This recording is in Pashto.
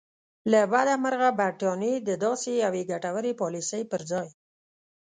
له بده مرغه برټانیې د داسې یوې ګټورې پالیسۍ پر ځای.